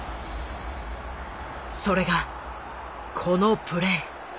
それがこのプレー。